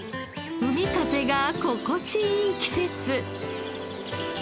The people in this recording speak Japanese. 海風が心地いい季節。